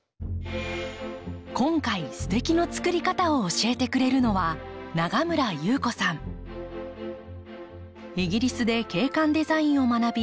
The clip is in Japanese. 今回「すてき！の作り方」を教えてくれるのはイギリスで景観デザインを学び